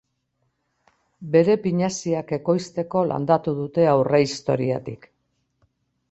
Bere pinaziak ekoizteko landatu dute aurrehistoriatik.